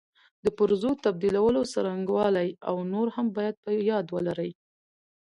د پرزو د تبدیلولو څرنګوالي او نور هم باید په یاد ولري.